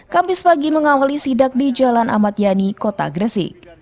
kamis pagi mengawali sidak di jalan ahmad yani kota gresik